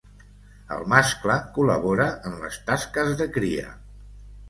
El mascle col·labora en les tasques de cria.